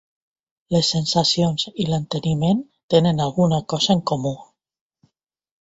Les sensacions i l'enteniment tenen alguna cosa en comú.